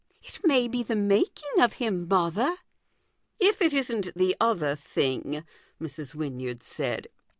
" It may be the making of him, mother 1 "" If it isn't the other thing," Mrs. Wynyard said.